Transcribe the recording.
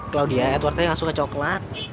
claudia edwardnya gak suka coklat